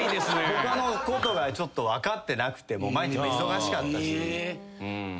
他のことがちょっと分かってなくて毎日忙しかったし。